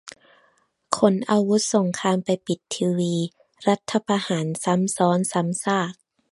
ขนอาวุธสงครามไปปิดทีวี รัฐประหารซ้ำซ้อนซ้ำซาก